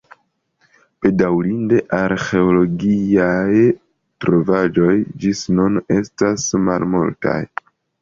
Bedaŭrinde arĥeologiaj trovaĵoj ĝis nun estis nur malmultaj.